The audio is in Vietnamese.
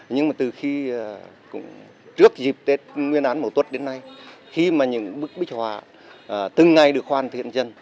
nhưng mà từ khi trước dịp tết nguyên án màu tuất đến nay khi mà những bức bích họa từng ngày được hoàn thiện dân